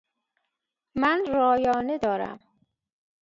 من رایانه دارم.